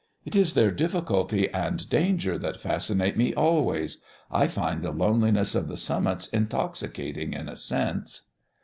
"It is their difficulty and danger that fascinate me always. I find the loneliness of the summits intoxicating in a sense."